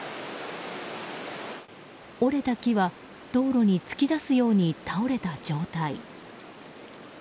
折れた木は道路に突き出すように倒れた状態。